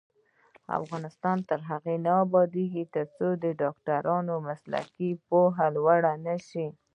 افغانستان تر هغو نه ابادیږي، ترڅو د ډاکټرانو مسلکي پوهه لوړه نشي.